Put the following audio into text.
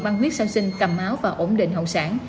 mang huyết sau sinh cầm máu và ổn định hậu sản